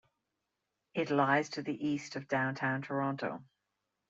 It lies to the east of Downtown Toronto.